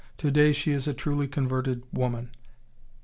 Today she is a truly converted woman."...